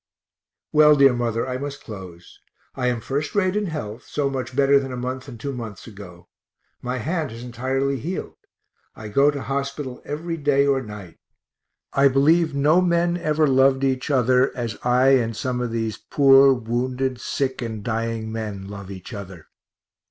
Well, dear mother, I must close. I am first rate in health, so much better than a month and two months ago my hand has entirely healed. I go to hospital every day or night I believe no men ever loved each other as I and some of these poor wounded sick and dying men love each other.